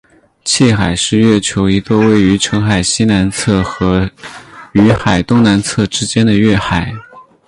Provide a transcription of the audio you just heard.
汽海是月球一座位于澄海西南侧和雨海东南侧之间的月海。